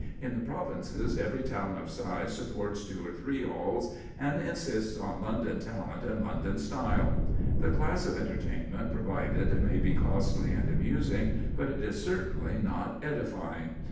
In the provinces every town of size supports two or three halls, and insists on London talent and London style. The class of entertainment provided may be costly and amusing, but it is certainly not edifying.